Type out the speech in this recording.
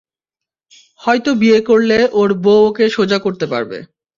হয়তো বিয়ে করলে, ওর বউ ওকে সোজা করতে পারবে।